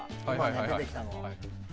出てきたのが。